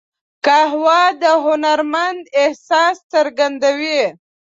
قهوه د هنرمند احساس څرګندوي